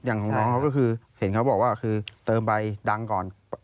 อย่างของน้องเขาก็คือเห็นเขาบอกว่าคือเติมใบดังก่อน